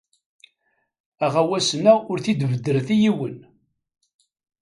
Aɣawas-nneɣ ur t-id-beddret i yiwen.